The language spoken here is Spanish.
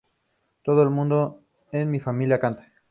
Todo el mundo en mi familia canta.